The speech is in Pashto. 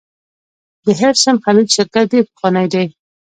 د هډسن خلیج شرکت ډیر پخوانی دی.